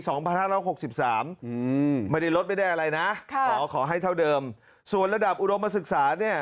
อืมไม่ได้ลดไปได้อะไรนะขอให้เท่าเดิมส่วนระดับอุโรมศึกษา